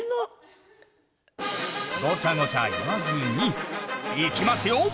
ごちゃごちゃ言わずにいきますよ。